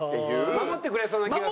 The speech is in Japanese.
守ってくれそうな気がする？